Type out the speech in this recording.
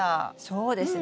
そうですね。